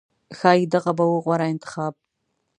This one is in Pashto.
ښایي دغه به و غوره انتخاب